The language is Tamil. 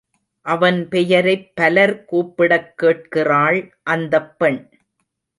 அவன் பெயரைப் பலர் கூப்பிடக் கேட்கிறாள் அந்தப் பெண்.